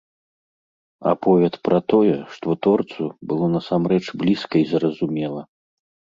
Аповед пра тое, што творцу было насамрэч блізка й зразумела.